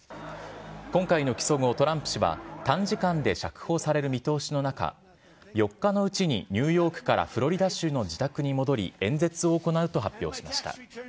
今回の起訴後、トランプ氏は短時間で釈放される見通しの中、４日のうちにニューヨークからフロリダ州の自宅に戻り、演説を行うと発表しました。